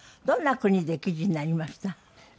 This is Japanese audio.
どんな国で記事になりました？